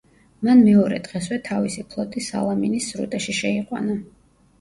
მან მეორე დღესვე თავისი ფლოტი სალამინის სრუტეში შეიყვანა.